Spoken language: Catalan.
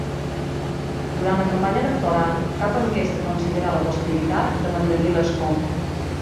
Durant la campanya electoral, cap enquesta considerà la possibilitat de mantenir l'escó.